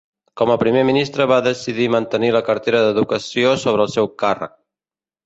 Com a primer ministre va decidir mantenir la cartera d'educació sota el seu càrrec.